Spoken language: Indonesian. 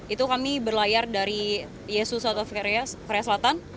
itu kami berlayar dari yesus atau korea selatan